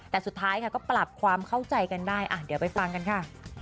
แต่สุดท้ายค่ะก็ปรับความเข้าใจกันได้เดี๋ยวไปฟังกันค่ะ